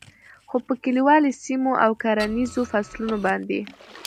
خو په کلیوالي سیمو او کرهنیزو فصلونو باندې